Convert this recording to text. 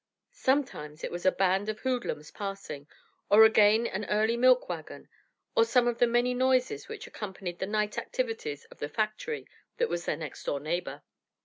Sometimes it was a band of hoodlums passing, or again an early milk wagon, or some of the many noises which accompanied the night activities of the factory that was their next door neighbor.